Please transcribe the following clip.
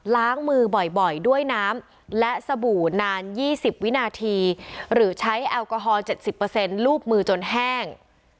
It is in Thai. ล้างมือบ่อยด้วยน้ำและสบู่นาน๒๐วินาทีหรือใช้แอลกอฮอล๗๐รูปมือจนแห้ง